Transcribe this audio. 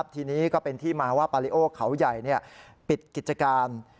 ทีนี้ก็เป็นที่มาว่าปาริโอเขาใหญ่ปิดกิจการ